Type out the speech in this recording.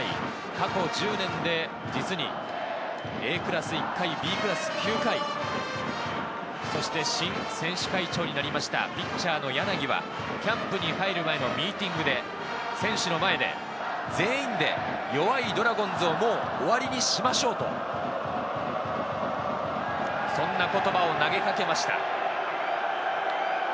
過去１０年で実にＡクラス１回、Ｂクラス９回、そして新選手会長になりましたピッチャーの柳はキャンプに入る前のミーティングで、選手の前で全員で、弱いドラゴンズはもう終わりにしましょうと、そんな言葉を投げかけました。